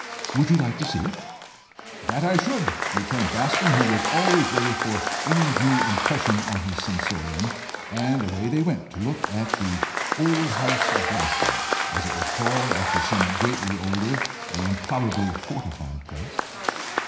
Would you like to see it?" "That I should," returned Bascombe, who was always ready for any new impression on his sensorium, and away they went to look at the old house of Glaston as it was called, after some greatly older and probably fortified place.